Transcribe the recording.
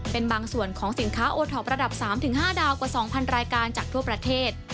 เป็นบางส่วนของสินค้าโอท็อประดับ๓๕ดาวกว่า๒๐๐รายการจากทั่วประเทศ